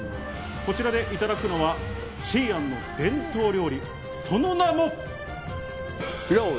こちらでいただくのは西安の伝統料理、その名も。